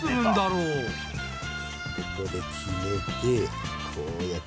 ここで決めてこうやって。